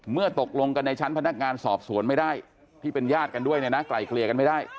ตกลงกันในชั้นพนักงานสอบสวนไม่ได้ที่เป็นญาติกันด้วยเนี่ยนะไกลเกลี่ยกันไม่ได้